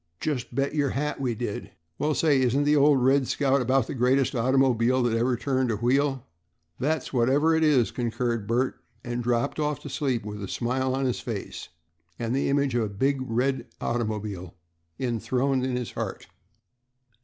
"Just bet your hat we did." "Well, say, isn't the old 'Red Scout' about the greatest automobile that ever turned a wheel?" "That's whatever it is," concurred Bert, and dropped off to sleep with a smile on his face, and the image of a big red automobile enthroned in his heart.